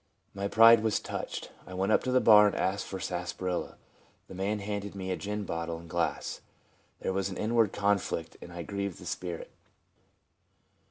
My pride was touched. I went up to the bar and asked for sarsaparilla. The man handed me a gin bottle and glass. There was an inward conflict, and I grieved the Spirit.